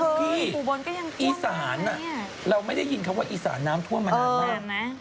พี่อีสานเราไม่ได้ยินคำว่าอีสานน้ำท่วมมานานมาก